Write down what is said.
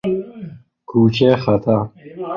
کوچه خطر